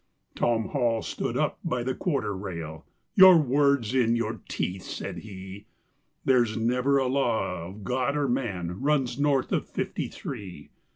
Tom Hall stood up by the quarter rail. "Your words in your teeth," said he. "There's never a law of God or man runs north of Fifty Three.